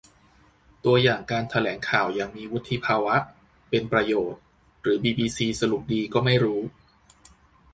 ตัวอย่างการแถลงข่าวอย่างมีวุฒิภาวะ เป็นประโยชน์ หรือบีบีซีสรุปดีก็ไม่รู้